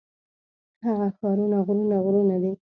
هغه ښارونه غرونه غرونه دي.